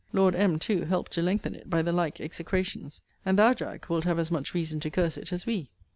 Lord M. too helped to lengthen it, by the like execrations. And thou, Jack, wilt have as much reason to curse it as we.